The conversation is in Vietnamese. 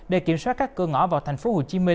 để kiểm soát các cơ ngõ vào tp hcm